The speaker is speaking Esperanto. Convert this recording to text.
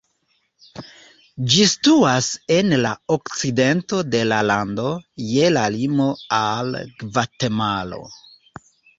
Ĝi situas en la okcidento de la lando, je la limo al Gvatemalo.